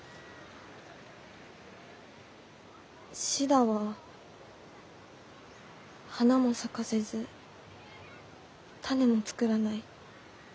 「シダは花も咲かせず種も作らない」。